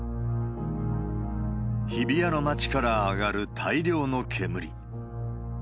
日比谷の街から上がる大量の煙。